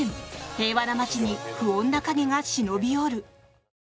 平和な街に不穏な影が忍び寄る。